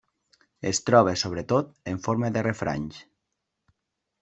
Es troba sobretot en forma de refranys.